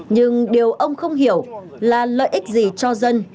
nhưng điều ông không hiểu là lợi ích gì cho dân